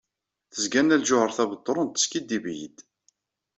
Tezga Nna Lǧuheṛ Tabetṛunt teskidib-iyi-d.